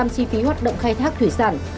chi phí hoạt động khai thác thủy sản